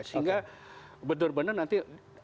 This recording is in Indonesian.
sehingga benar benar nanti